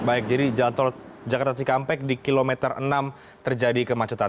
baik jadi jalan tol jakarta cikampek di kilometer enam terjadi kemacetan